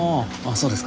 そうですか。